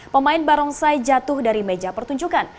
pemain barongsai jatuh dari meja pertunjukan